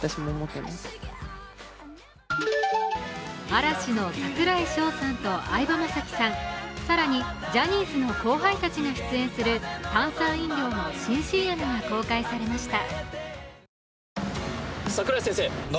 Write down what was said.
嵐の櫻井翔さんと相葉雅紀さん、更にジャニーズの後輩たちが出演する炭酸飲料の新ＣＭが公開されました。